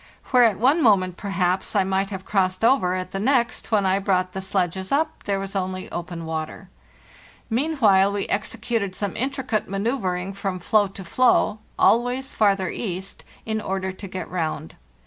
Where at one moment, perhaps, I might have crossed over, at the N || A HAKD STRUGGLE 2 next, when I had brought the sledges up, there was only open water. Meanwhile we executed some intricate manceuvring from floe to floe, always farther east, in order to get round.